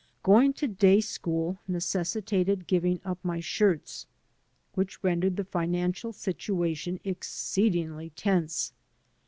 Going to day school necessitated giving up my shirts, which rendered the financial situation exceedingly tense.